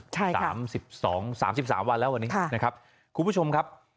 ใช่ค่ะครับ๓๒๓๓วันละวันนี้คุณผู้ชมครับ